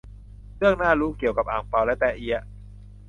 เรื่องน่ารู้เกี่ยวกับ อั่งเปา และแต๊ะเอีย